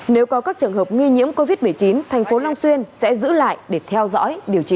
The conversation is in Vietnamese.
nếu có các trường hợp nghi nhiễm covid một mươi chín thành phố long xuyên sẽ giữ lại để theo dõi điều trị